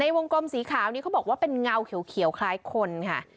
วงกลมสีขาวนี้เขาบอกว่าเป็นเงาเขียวคล้ายคนค่ะ